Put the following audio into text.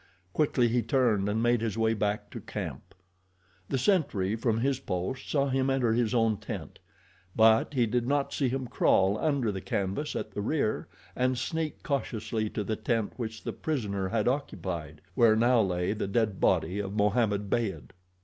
Quickly he turned and made his way back to camp. The sentry, from his post, saw him enter his own tent; but he did not see him crawl under the canvas at the rear and sneak cautiously to the tent which the prisoner had occupied, where now lay the dead body of Mohammed Beyd.